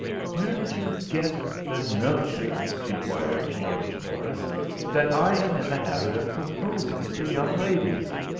"Where did you get the notion," inquired George Morris, "that I am in the habit of proposing to young ladies?